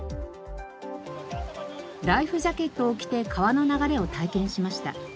ライフジャケットを着て川の流れを体験しました。